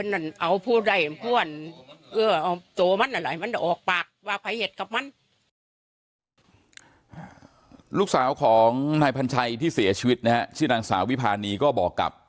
ลูกสาวของนายพันชัยที่เสียชีวิตนะฮะชื่อนางสาววิพานีก็บอกกับ